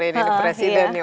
iya konduktor ini presiden ya